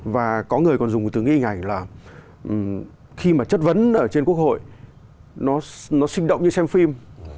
và có người còn dùng từ nghi ngành là khi mà chất vấn ở trên quốc hội nó sinh động như xem phim